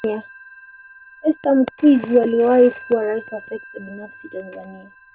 Esther Mkwizu aliwahi kuwa Rais wa Sekta Binafsi Tanzania